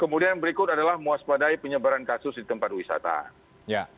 kemudian berikut adalah mewaspadai penyebaran kasus di tempat wisata